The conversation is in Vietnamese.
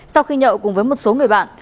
sau khi nhậu cùng với một số người bạn